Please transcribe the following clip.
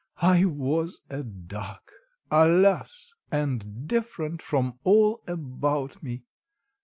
I was a duck, alas! and different from all about me.